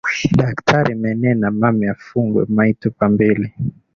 Daktari menena mame afungwe mai tupa mbili